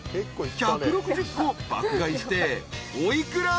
［１６０個爆買いしてお幾ら？］